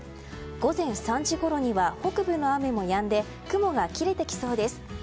午前３時ごろには北部の雨もやんで雲が切れてきそうです。